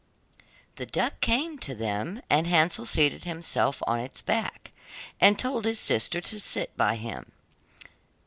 The duck came to them, and Hansel seated himself on its back, and told his sister to sit by him.